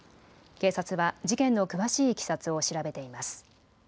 警察は事件の詳しいいきさつを調べています。